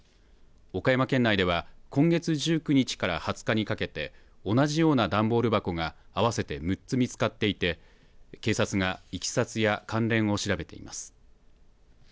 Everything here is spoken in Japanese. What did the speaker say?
岡山県内では今月１９日から２０日にかけて同じような段ボール箱が合わせて６つ見つかっていて警察がいきさつや関連を調べています。